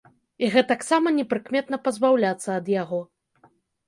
І гэтаксама непрыкметна пазбаўляцца ад яго.